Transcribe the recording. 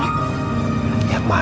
rumahnya yang mana